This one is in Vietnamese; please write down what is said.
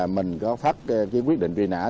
mình có phát quyết định truy nã